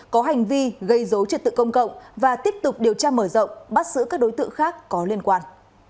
có hành vi gây dối trật tự công cộng và tiếp tục điều tra mở rộng bắt giữ các đối tượng khác có liên quan